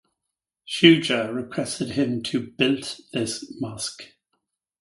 Shuja requested him to built this mosque.